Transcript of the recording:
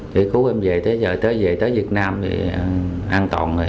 thì cứ em về tới giờ tới về tới việt nam thì an toàn rồi